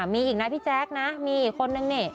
มีอีกนะพี่แจ๊คนะมีอีกคนนึงนี่